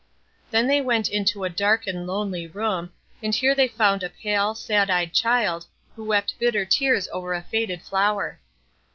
Then they went into a dark and lonely room, and here they found a pale, sad eyed child, who wept bitter tears over a faded flower.